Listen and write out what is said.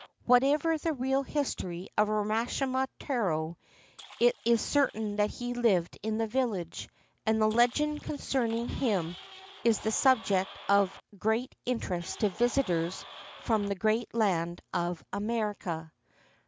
Whatever the real history of Urashima Taro, it is certain that he lived in the village, and the legend concerning him is the subject of great interest to visitors from the great land of America.'